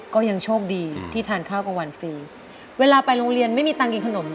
ก็ยังโชคดีที่ทานข้าวกลางวันฟรีเวลาไปโรงเรียนไม่มีตังค์กินขนม